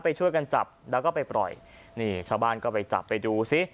ไปช่วยกันจับแล้วก็ไปปล่อยนี่ชาวบ้านก็ไปจับไปดูสิ